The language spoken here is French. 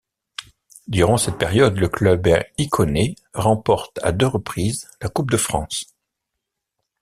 Durant cette période, le club icaunais remporte à deux reprises la Coupe de France.